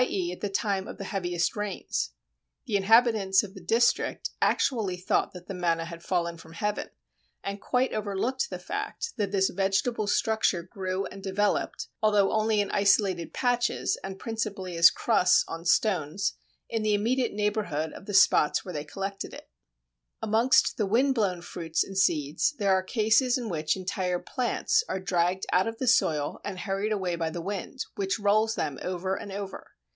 e. at the time of the heaviest rains.... The inhabitants of the district actually thought that the manna had fallen from heaven, and quite overlooked the fact that this vegetable structure grew and developed (although only in isolated patches and principally as crusts on stones) in the immediate neighbourhood of the spots where they collected it." Kerner, Natural History of Plants, vol. 2. Amongst the wind blown fruits and seeds there are cases in which entire plants are dragged out of the soil and hurried away by the wind, which rolls them over and over.